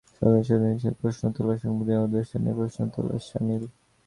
সংসদের উদ্দেশ্য নিয়ে প্রশ্ন তোলা সংবিধানের উদ্দেশ্য নিয়ে প্রশ্ন তোলার শামিল।